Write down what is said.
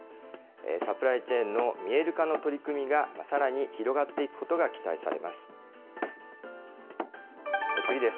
サプライチェーンの見える化の取り組みがさらに広がっていくことが期待されます。